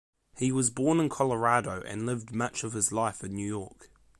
He was born in Colorado and lived much of his life in New York.